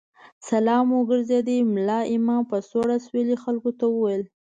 سلام وګرځېد، ملا امام په سوړ اسوېلي خلکو ته وویل.